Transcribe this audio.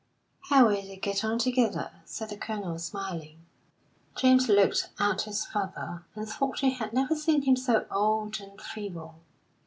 "How well they get on together," said the Colonel, smiling. James looked at his father, and thought he had never seen him so old and feeble.